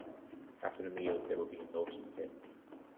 After the meal, there would be a notions test.